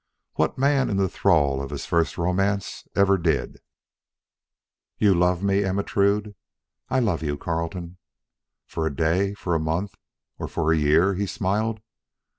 What man in the thrall of his first romance ever did. "You love me, Ermentrude?" "I love you, Carleton." "For a day, for a month or for a year?" he smiled.